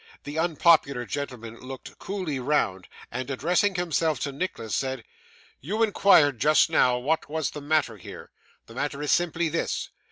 The unpopular gentleman looked coolly round, and addressing himself to Nicholas, said: 'You inquired just now what was the matter here. The matter is simply this.